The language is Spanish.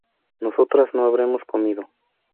nosotras no habremos comido